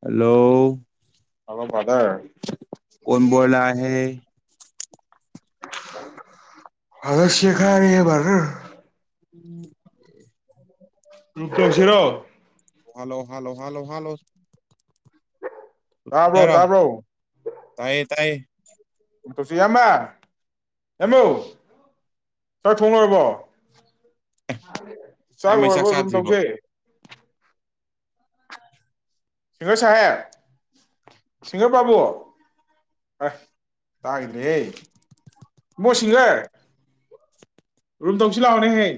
Hello hello brother! ꯀꯣꯟ ꯕꯣꯂꯥ ꯍꯦ? ꯍꯂꯣ ꯁꯤꯈꯥꯑꯦ ꯕꯗꯔ [unintelligible] [unintelligible] ꯍꯜꯂꯣ! ꯍꯜꯂꯣ! ꯍꯜꯂꯣ! ꯍꯜꯂꯣ! ꯇꯥꯕ꯭ꯔꯣ - ꯁꯨꯇꯤꯗꯔꯣ ꯇꯥꯕ꯭ꯔꯣ? ꯇꯥꯏꯌꯦ ꯇꯥꯏꯌꯦ ꯎ ꯇꯧꯁꯤ ꯏꯌꯥꯝꯕ ꯏꯌꯥꯝꯕꯧ ꯆꯥꯛ ꯊꯣꯡ ꯂꯣꯏꯔꯕꯣ ꯆꯥꯛ ꯏꯌꯥꯝꯕꯩ ꯂꯣꯏꯔꯕ ꯔꯨꯝ ꯆꯥꯗ꯭ꯔꯤꯕꯣ ꯇꯧꯁꯦ ꯁꯤꯡꯒꯔ ꯁꯥꯍꯦꯕ ꯁꯤꯡꯒꯔ ꯕꯥꯥꯕꯨ ꯑꯥꯢ ꯇꯥꯒꯤꯗ꯭ꯔꯦ ꯍꯦ ꯏꯕꯨꯉꯣ ꯁꯤꯡꯒꯔ ꯔꯨꯝ ꯇꯧꯁꯤ ꯂꯥꯎꯅꯦꯍꯦ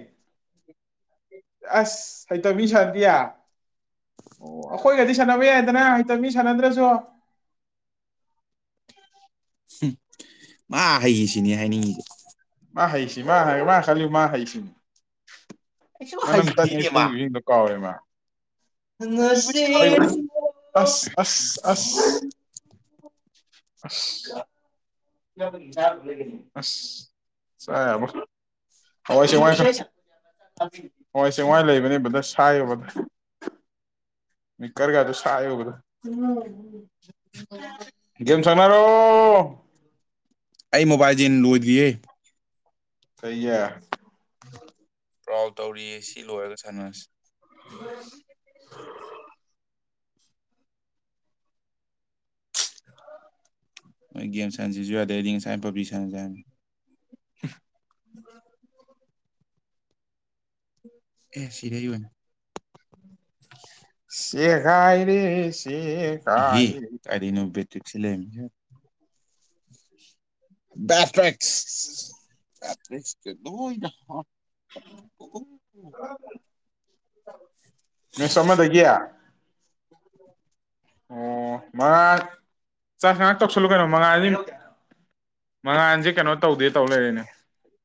ꯑꯁ ꯍꯩꯇ ꯃꯤ ꯁꯥꯟꯅꯗꯤꯌꯥ ꯑꯣ ꯑꯈꯣꯏꯒꯗꯤ ꯁꯥꯟꯅꯕ ꯌꯥꯏꯗꯅ ꯍꯩꯇ ꯃꯤ ꯁꯥꯟꯅꯗ꯭ꯔꯁꯨ ꯍꯝ ꯃꯥ ꯍꯩꯌꯦꯁꯤꯅꯦ ꯍꯥꯏꯅꯤꯡꯉꯤꯁꯤ ꯃꯥ ꯍꯩꯁꯤ ꯃꯥ ꯍꯥꯏ ꯃꯥ ꯈꯜꯂꯤ ꯃꯥ ꯍꯩꯁꯤꯅꯤ ꯑꯩꯁꯨ ꯃꯅꯝ ꯍꯩꯇꯦꯅꯦ ꯇꯠꯉꯩ ꯃꯥ ꯐꯨꯒꯤꯁꯤꯡꯗꯨ ꯀꯥꯎꯔꯦꯃꯥ ꯍꯩꯕ ꯁꯥꯕꯩ ꯋꯥꯅꯤ ꯉꯁꯤꯁꯨ ꯑꯁ ꯑꯁ ꯑꯁ ꯑꯁ ꯑꯁ ꯆꯥ ꯌꯥꯔꯃꯣꯏ ꯍꯋꯥꯏ ꯆꯦꯡꯋꯥꯏ ꯍꯋꯥꯏ ꯆꯦꯡꯋꯥꯏ ꯂꯩꯕꯅꯦ ꯕꯗꯔ ꯁꯥꯏꯌꯣ ꯕꯗꯔ ꯃꯤꯀꯔꯒꯗꯣ ꯁꯥꯏꯌꯣ ꯕꯗꯔ ꯒꯦꯝ ꯁꯥꯟꯅꯔꯣ ꯑꯩ ꯃꯣꯕꯥꯜꯖꯦꯟ ꯂꯣꯏꯗ꯭ꯔꯤꯌꯦ ꯀꯩꯌꯦ ꯕ꯭ꯔꯥꯎꯜ ꯇꯧꯔꯤꯌꯦ ꯁꯤ ꯂꯣꯏꯔꯒ ꯁꯥꯟꯅꯔꯁꯤ ꯍ ꯍ ꯃꯣꯏ ꯒꯦꯝ ꯁꯥꯟꯅꯁꯤꯁꯨ ꯌꯥꯗꯦ ꯑꯩꯗꯤ ꯉꯁꯥꯏ ꯄꯕ꯭ꯖꯤ ꯁꯥꯟꯅꯁꯦ [unintelligible] ꯑꯦ ꯁꯤꯔꯦ ꯑꯩꯑꯣꯏꯅ ꯁꯦꯒꯥꯏꯔꯦ ꯇꯦ ꯈꯥꯏꯔꯦ ꯁꯤ ꯂꯩꯅꯤ ꯍ ꯍ ꯃꯤꯁ ꯑꯃꯗꯒ ꯑꯣ ꯃꯉꯥꯜ ꯆꯥꯛ ꯉꯍꯥꯛ ꯇꯧꯁꯜꯂꯨ ꯀꯩꯅꯣ ꯃꯉꯥꯜ ꯁꯤ ꯃꯉꯥꯜꯁꯦ ꯀꯩꯅꯣ ꯇꯧꯗꯦ ꯇꯧ ꯂꯩꯔꯦꯅꯦ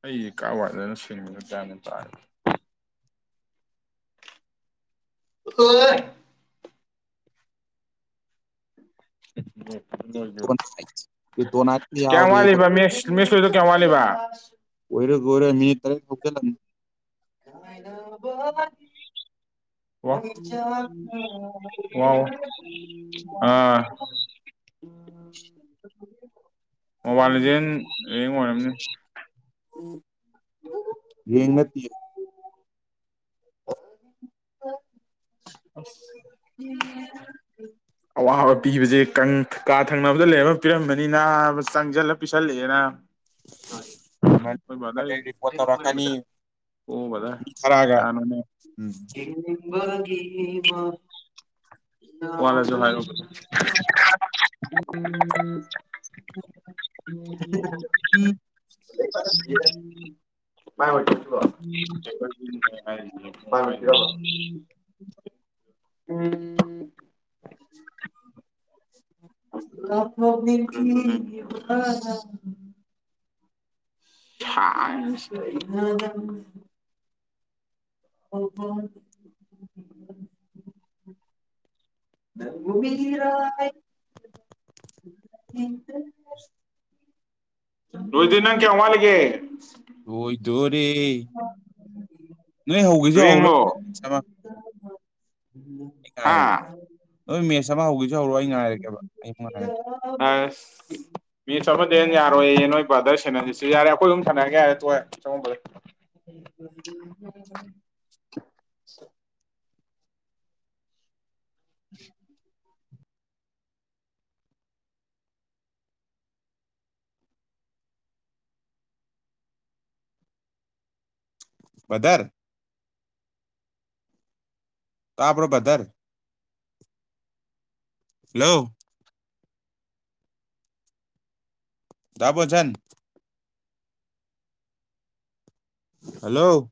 ꯑꯩꯒꯤ ꯀꯥꯋꯥꯏꯗꯅꯣ ꯁꯤꯟ ꯑꯃꯥ ꯇꯈꯔ꯭ꯤꯗꯣ ꯍꯣꯏ ꯇꯣꯅꯥꯏꯠ ꯇꯣꯅꯥꯏꯠꯀ ꯎ ꯀꯌꯥꯝ ꯌꯥꯎꯔꯦ ꯋꯥꯠꯂꯤꯕ ꯃꯤꯁꯣꯏꯗ ꯀꯌꯥꯝ ꯋꯥꯠꯂꯤꯕ ꯑꯣꯏꯔ ꯑꯣꯏꯔ ꯃꯤꯅꯤꯠ ꯇꯔꯦꯠ ꯍꯧꯖꯤꯜꯂꯝꯅꯤ ꯀꯥꯏꯅ ꯋꯥ ꯌꯦꯡ ꯋꯥ ꯋꯥ ꯑꯥ ꯎꯝ ꯃꯣꯕꯥꯏꯜ ꯂꯤꯖꯦꯟ ꯗꯩꯩ ꯑꯣꯏꯔꯝꯅꯤ ꯔꯦꯡ ꯅꯠꯇꯌꯦ ꯑꯋꯥꯕ ꯄꯤꯕꯁꯦ ꯀꯥ ꯊꯪꯅꯕꯗ ꯂꯩꯔꯒ ꯄꯤꯔꯝꯕꯅꯤꯅ ꯆꯪꯁꯤꯜꯂ ꯄꯤꯁꯜꯂꯛꯑꯦꯅ ꯑꯦꯝ ꯑꯦꯜ ꯑꯦ ꯔꯤꯄꯣꯔꯠ ꯇꯧꯔꯛꯀꯅꯤ ꯑꯣ ꯃꯤ ꯕꯥꯗꯔꯥ ꯊꯥꯔꯛꯑꯒ ꯀꯅꯥꯅꯣꯅꯦ ꯎꯝ ꯋꯥ ꯔꯁꯨ ꯍꯥꯏꯔꯣ ꯀꯥꯏ ꯎꯝ ꯐ ꯂꯅꯤ ꯊꯁ ꯑꯣ ꯍꯣ ꯔꯗ꯭ꯔ꯭ꯔ ꯑꯗꯨꯗ ꯅꯪ ꯀꯦꯋꯥꯜꯒꯦ ꯂꯣꯏꯗꯣꯔꯦ ꯅꯣꯏ ꯍꯧꯒꯦꯁꯨ ꯍꯧꯂꯣꯏ ꯍꯥꯥ ꯁꯕꯥ ꯍꯧꯒꯤ ꯑ ꯃꯤ ꯁꯃ ꯦꯟ ꯌꯥꯔꯣꯏꯌꯦ ꯅꯣꯏ ꯕ꯭ꯔꯥꯗꯔꯁꯟꯖꯤꯁꯨ ꯌꯥꯔꯦ ꯑꯩꯈꯣꯏ ꯑꯗꯨꯝ ꯊꯅꯔꯒꯦ ꯍꯥꯏꯔ ꯇꯦꯉ ꯎꯝ ꯄꯗꯔ ꯀꯄ꯭ꯔꯣ ꯄꯊꯔ ꯍꯂꯣ ꯗꯕꯣꯖꯦꯟ hello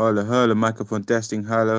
hello hello microphone testing ꯍꯥꯜꯂꯣ